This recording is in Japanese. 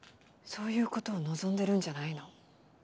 そういうことを望んでるんじゃないの。